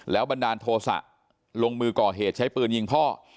บันดาลโทษะลงมือก่อเหตุใช้ปืนยิงพ่อ